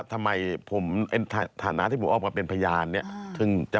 ทำไมฐานะที่ผมออกมาเป็นพยานเนี่ย